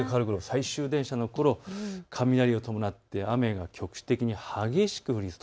最終電車のころ、雷を伴って雨が局地的に激しく降ります。